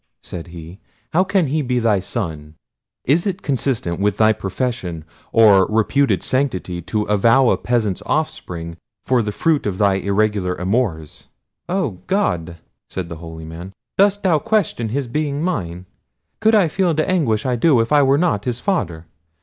said he. "How can he be thy son? Is it consistent with thy profession or reputed sanctity to avow a peasant's offspring for the fruit of thy irregular amours!" "Oh, God!" said the holy man, "dost thou question his being mine? Could I feel the anguish I do if I were not his father?